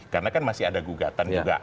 karena kan masih ada gugatan juga